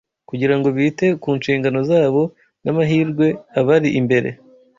kugira ngo bite ku nshingano zabo n’amahirwe abari imbere